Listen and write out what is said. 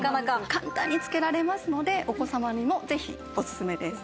簡単につけられますのでお子さまにもぜひオススメです。